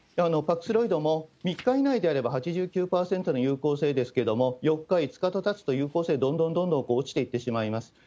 パクスロイドも３日以内では８９％の有効性ですけれども、４日、５日とたつと有効性、どんどんどんどん落ちていってしまいます。